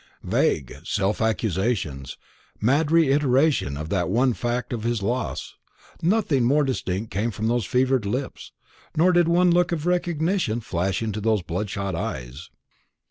Vague self accusation, mad reiteration of that one fact of his loss; nothing more distinct came from those fevered lips, nor did one look of recognition flash into those bloodshot eyes.